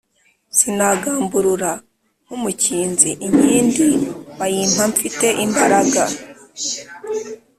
Sinagamburura nk’umukinzi, inkindi bayimpa mfite imbaraga.